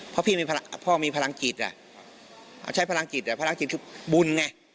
พ่อก็ใช้พลังจิตพลังจิตคือบุณไง